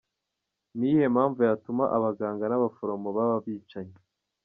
Ni iyihe mpamvu yatuma abaganga n’ abaforomo baba abicanyi?.